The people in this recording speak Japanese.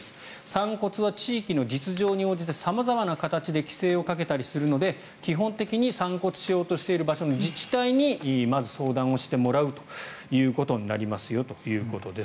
散骨は地域の実情に応じて様々な形で規制をかけたりするので基本的に散骨しようとしている場所の自治体にまず相談してもらうということになりますよということです。